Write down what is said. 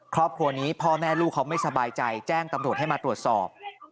ครอบครัวนี้พ่อแม่ลูกเขาไม่สบายใจแจ้งตำรวจให้มาตรวจสอบ